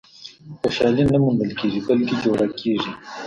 • خوشالي نه موندل کېږي، بلکې جوړه کېږي.